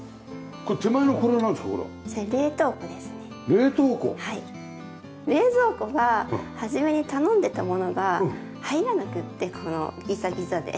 冷蔵庫は初めに頼んでたものが入らなくってこのギザギザで。